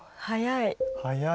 早い。